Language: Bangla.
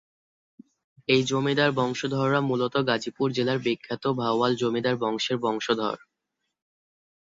এই জমিদার বংশধররা মূলত গাজীপুর জেলার বিখ্যাত ভাওয়াল জমিদার বংশের বংশধর।